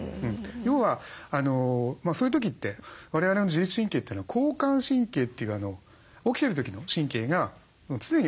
要はそういう時って我々の自律神経というのは交感神経という起きてる時の神経が常にオンされてるんです。